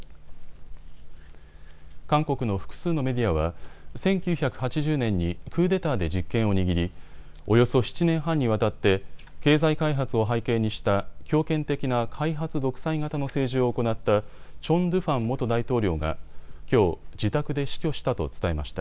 韓国の複数のメディアは１９８０年にクーデターで実権を握りおよそ７年半にわたって経済開発を背景にした強権的な開発独裁型の政治を行ったチョン・ドゥファン元大統領がきょう自宅で死去したと伝えました。